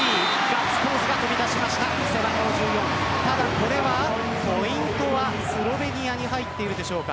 これはポイントはスロベニアに入っているでしょうか。